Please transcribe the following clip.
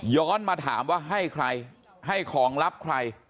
มาถามว่าให้ใครให้ของลับใคร